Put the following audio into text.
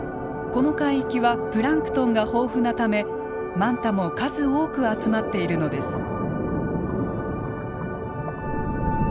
この海域はプランクトンが豊富なためマンタも数多く集まっているのです。